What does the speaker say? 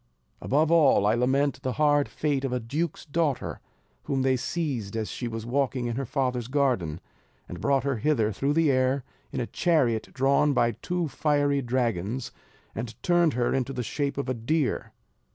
Above all I lament the hard fate of a duke's daughter, whom they seized as she was walking in her father's garden, and brought hither through the air in a chariot drawn by two fiery dragons, and turned her into the shape of a deer.